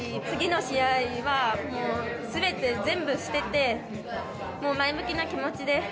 次の試合はもうすべて全部捨てて、前向きな気持ちで。